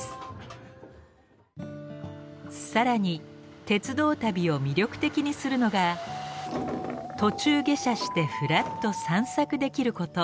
更に鉄道旅を魅力的にするのが途中下車してふらっと散策できること。